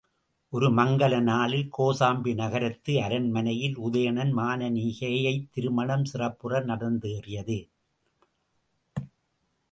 ஒரு மங்கல நாளில் கோசாம்பி நகரத்து அரண்மனையில் உதயணன் மானனீகை திருமணம் சிறப்புற நடந்தேறியது.